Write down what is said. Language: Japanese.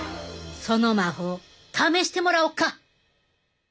その魔法試してもらおか！